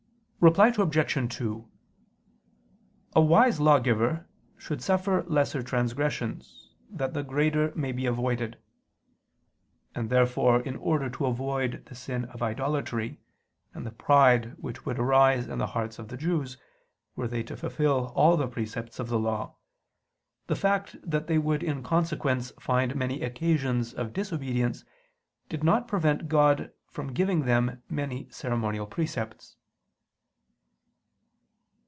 Reply Obj. 2: A wise lawgiver should suffer lesser transgressions, that the greater may be avoided. And therefore, in order to avoid the sin of idolatry, and the pride which would arise in the hearts of the Jews, were they to fulfil all the precepts of the Law, the fact that they would in consequence find many occasions of disobedience did not prevent God from giving them many ceremonial precepts.